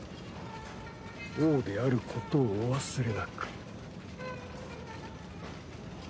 王であることをお忘れなく。